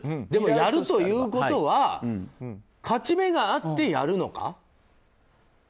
でも、やるということは勝ち目があって、やるのか。